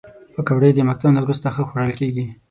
پکورې د مکتب نه وروسته ښه خوړل کېږي